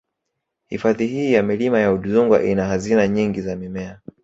Hifadhi hii ya Milima ya Udzungwa ina hazina nyingi za mimea